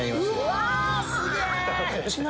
うわすげぇ！